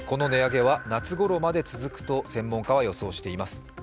この値上げは夏頃まで続くと専門家は予想しています。